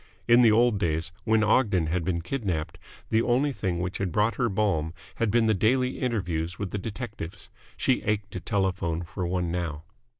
In the old days, when Ogden had been kidnapped, the only thing which had brought her balm had been the daily interviews with the detectives. She ached to telephone for one now.